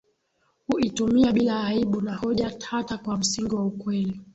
huitumia bila aibu na hoja hata kwa msingi wa ukweli